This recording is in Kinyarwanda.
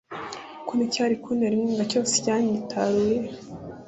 ko n'icyari kuntera inkunga cyose cyanyitaruye